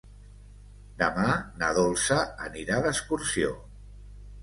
Demà na Dolça anirà d'excursió.